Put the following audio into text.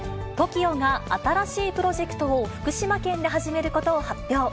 ＴＯＫＩＯが新しいプロジェクトを福島県で始めることを発表。